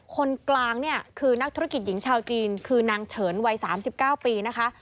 คนกลางเนี่ยคือนักธุรกิจหญิงชาวจีนคือนางเฉินวัย๓๙ปีนะคะ